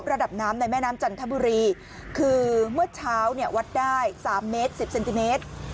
ระดับน้ำในแม่น้ำจันทบุรีคือเมื่อเช้าเนี่ยวัดได้๓เมตร๑๐เซนติเมตร